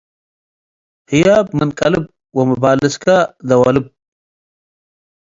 ህያብ ምን ቀልብ ወመባልስከ ደወ ልብ።